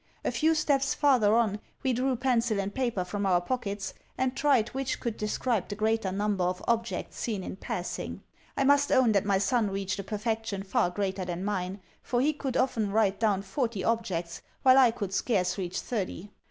A few steps farther on we drew pencil and paper from our pockets, and tried which could describe the greater number of objects seen in passing. I must own that my son reached a perfection far greater than mine, for he could often write down forty objects, while I could scarce reach thirty.